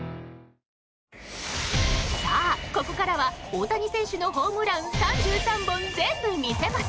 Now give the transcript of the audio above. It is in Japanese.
さあ、ここからは大谷選手のホームラン３３本全部見せます！